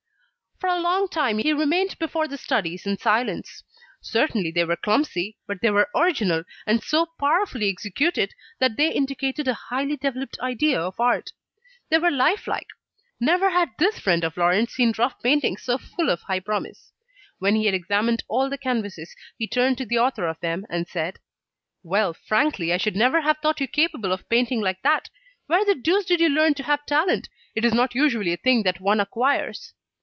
For a long time, he remained before the studies in silence. Certainly they were clumsy, but they were original, and so powerfully executed that they indicated a highly developed idea of art. They were life like. Never had this friend of Laurent seen rough painting so full of high promise. When he had examined all the canvases, he turned to the author of them and said: "Well, frankly, I should never have thought you capable of painting like that. Where the deuce did you learn to have talent? It is not usually a thing that one acquires."